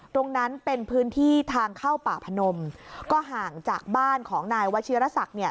ตรงนั้นเป็นพื้นที่ทางเข้าป่าพนมก็ห่างจากบ้านของนายวชิรษักเนี่ย